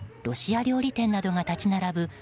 ロシア料理店などが立ち並ぶ